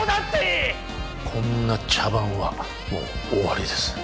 こんな茶番はもう終わりです